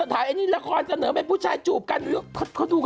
ดูละครผู้ชายเอาไม่ดู